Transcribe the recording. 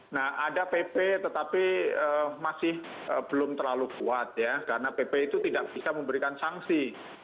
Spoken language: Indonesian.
nah ada pp tetapi masih belum terlalu kuat ya karena pp itu tidak bisa memberikan sanksi